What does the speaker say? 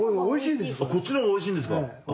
こっちのほうが美味しいんですか！